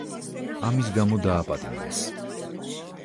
ამის გამო დააპატიმრეს.